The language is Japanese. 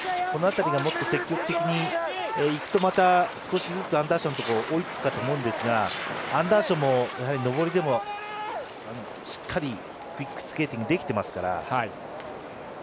この辺りがもっと積極的に行くと少しずつアンダーションに追いつくかと思いますがアンダーションもやはり上りでもしっかりクイックスケーティングできていますから。